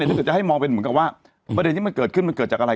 ถ้าเกิดจะให้มองเป็นเหมือนกับว่าประเด็นที่มันเกิดขึ้นมันเกิดจากอะไร